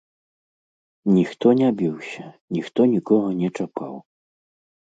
Ніхто не біўся, ніхто нікога не чапаў.